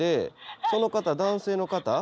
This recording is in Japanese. その方男性の方？